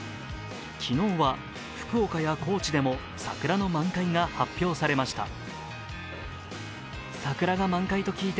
昨日は、福岡や高知でも桜の満開が発表されました。